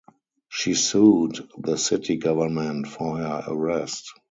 She sued the city government for her arrest.